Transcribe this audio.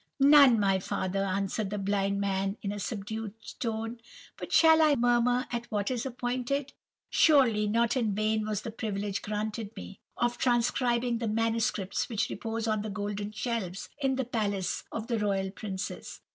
"'None, my father,' answered the blind man, in a subdued tone. 'But shall I murmur at what is appointed? Surely not in vain was the privilege granted me, of transcribing the manuscripts which repose on the golden shelves in the palace of the royal princes.